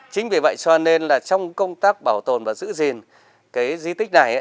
chính vì vậy cho nên trong công tác bảo tồn và giữ gìn cái dây tích này